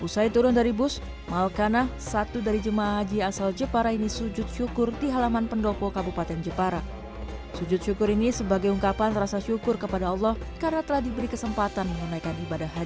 yang disiapkan penyelidikannya